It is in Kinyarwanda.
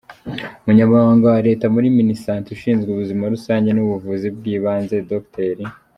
Umunyamabanga wa Leta muri Minisante, ushinzwe Ubuzima Rusange n’Ubuvuzi bw’Ibanze, Dr.